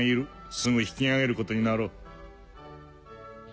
すぐ引き揚げることになろう。